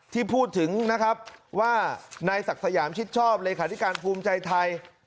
ที่พูดถึงนะครับว่านายศักดิ์สยามชิดชอบเลขาธิการภูมิใจไทย